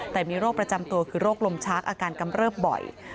แต่มีโรคประจำตัวคือโรคลมชักอาการกำเริบบ่อย